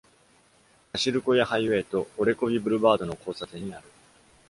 Kashirskoye Highway と Orekhovy Boulevard の交差点にある。